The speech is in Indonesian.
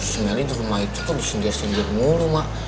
seenggaknya rumah itu kok disindir sindir mulu mak